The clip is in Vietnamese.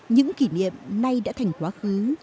những kỷ niệm nay đã thành quá khứ